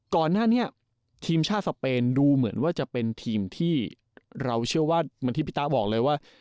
ก่อนหน้านี้ทีมชาติสเปนดูเหมือนว่าจะเป็นทีมที่เราเชื่อว่าเหมือนที่พี่ตะบอกเลยว่า